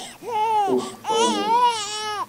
Хуш, сау бул!